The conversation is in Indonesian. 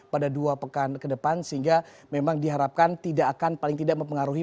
pada dua pekan ke depan sehingga memang diharapkan tidak akan paling tidak mempengaruhi